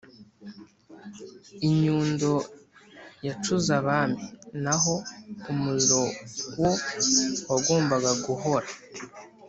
"inyundo yacuze abami". naho umuriro wo wagombaga guhora